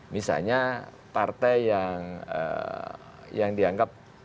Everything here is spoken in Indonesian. misalnya partai yang dianggap